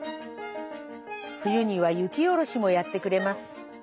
ふゆには雪おろしもやってくれます。